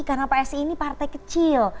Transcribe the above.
karena psi ini partai kecil